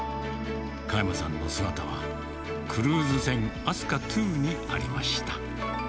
加山さんの姿はクルーズ船飛鳥２にありました。